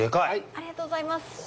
ありがとうございます！